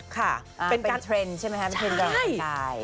เป็นการใช่ไหมคะเป็นเทรนด์การกำลังกาย